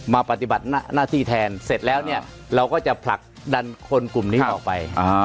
มาปฏิบัติหน้าที่แทนเราก็จะผลักนั้นคนกลุ่มนี้ออกไป